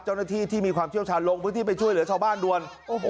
เจ้าหน้าที่ที่มีความเชี่ยวชาญลงพื้นที่ไปช่วยเหลือชาวบ้านด่วน